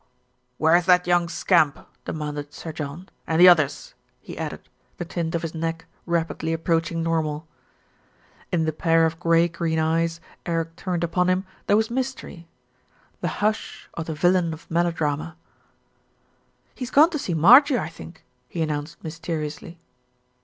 "Where's that young scamp?" demanded Sir John, "and the others?" he added, the tint of his neck rapidly approaching normal. In the pair of grey green eyes Eric turned upon him there was mystery, the "Hussssssh !" of the villain of melodrama. "He's gone to see Marjie, I think," he announced mysteriously.